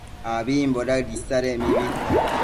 abimbo daëd isadec mibi